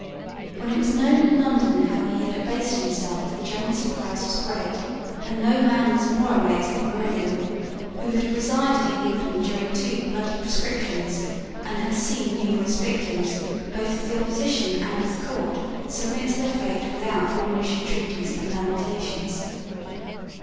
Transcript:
When it was known in London how he had abased himself the general surprise was great; and no man was more amazed than Barillon, who had resided in England during two bloody proscriptions, and had seen numerous victims, both of the Opposition and of the Court, submit to their fate without womanish entreaties and lamentations.